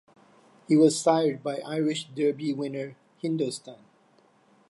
He was sired by Irish Derby winner Hindostan.